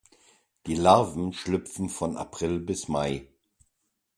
Die Larven schlüpfen von April bis Mai.